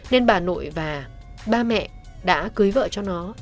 nên bà nội và ba mẹ đã cưới vợ cho nó